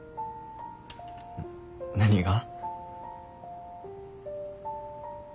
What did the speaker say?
何が？